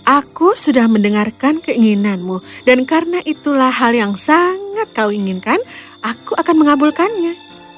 aku sudah mendengarkan keinginanmu dan karena itulah hal yang sangat kau inginkan aku akan mengabulkannya